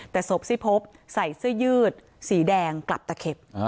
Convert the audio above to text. แต่ศพที่พบใส่เสื้อยืดสีแดงกลับตะเข็บ